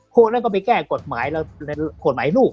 พวกนั้นก็ไปแก้กฎหมายกฎหมายลูก